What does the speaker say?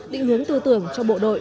định hướng tư tưởng cho bộ đội